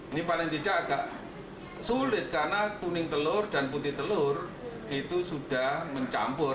ini paling tidak agak sulit karena kuning telur dan putih telur itu sudah mencampur